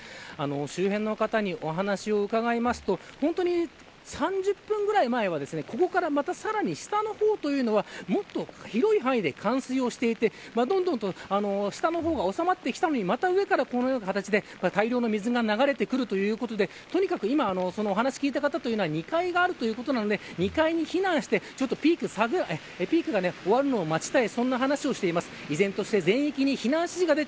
周辺の方にお話を伺いますと３０分ぐらい前はここからまたさらに下の方というのはもっと広い範囲で冠水をしていてどんどん下の方が収まってきたのにまた上からこのような形で大量の水が流れてくるということで今お話を聞いた方というのは２階があるということなので２階に避難してピークが終わるのを待ちたい。